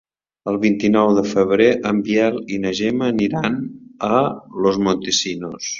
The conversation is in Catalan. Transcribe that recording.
El vint-i-nou de febrer en Biel i na Gemma aniran a Los Montesinos.